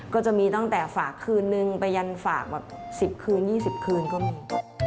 ก็จะมีตั้งแต่ฝากคืนนึงไปยันฝากแบบ๑๐คืน๒๐คืนก็มี